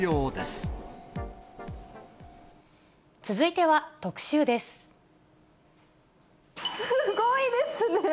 すごいですね！